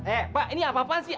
eh pak ini apa apa sih